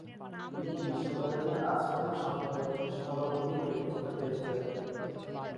তিনি বিশ্বভারতীর আশ্রমিক সংঘের সভাপতি নির্বাচিত হয়েছিলেন।